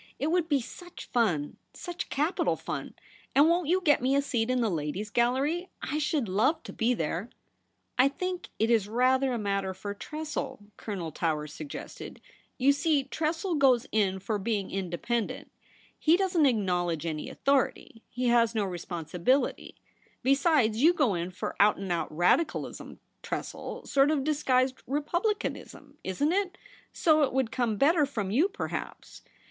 ' It would be such fun — such capital fun. And won't you get me a seat in the Ladies' Gallery ? I should love to be there.' ' I think it is rather a matter for Tressel,' Colonel Towers suggested. ' You see, Tressel goes m for being independent ; he doesn't acknowledge any authority ; he has no responsibility. Besides, you go in fur out and out Radicalism, Tressel — sort of disguised Republicanism, isn't it ?— so it would come better from you, perhaps.